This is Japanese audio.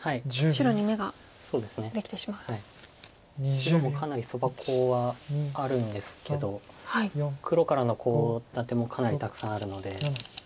白もかなりソバコウはあるんですけど黒からのコウ立てもかなりたくさんあるので。